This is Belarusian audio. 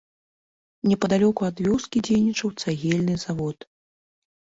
Непадалёку ад вёскі дзейнічаў цагельны завод.